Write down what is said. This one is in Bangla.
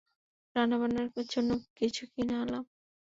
রান্নাবান্নার জন্য কিছু কিনে আনলাম!